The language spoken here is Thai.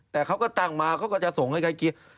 แต่เขาก็ตั้งมาเขาก็จะส่งให้ใครกิน